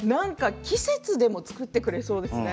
季節でも作ってくれそうですね。